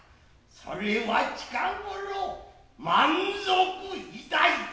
夫は近頃満足いたいた。